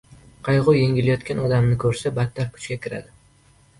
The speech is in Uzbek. Qayg‘u yengilayotgan odamni ko‘rsa, battar kuchga kiradi.